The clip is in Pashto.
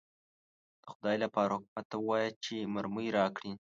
د خدای لپاره حکومت ته ووایاست چې مرمۍ راکړي.